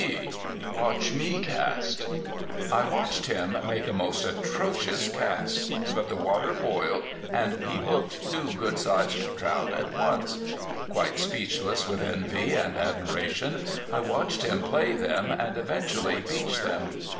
G.... Watch me cast!" I watched him make a most atrocious cast. But the water boiled, and he hooked two good sized trout at once. Quite speechless with envy and admiration I watched him play them and eventually beach them.